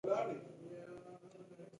د فبروري پر پنځلسمه نېټه و.